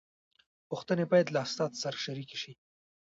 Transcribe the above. پوښتنې باید له استاد سره شریکې شي.